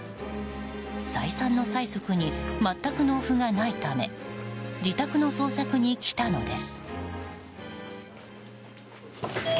再三の催促に全く納付がないため自宅の捜索に来たのです。